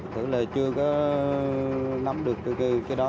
thử là chưa có nắm được cái đó